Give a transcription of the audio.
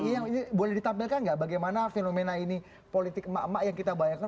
yang ini boleh ditampilkan nggak bagaimana fenomena ini politik emak emak yang kita bayangkan